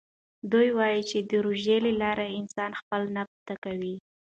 ده وايي چې د روژې له لارې انسان خپل نفس زده کوي.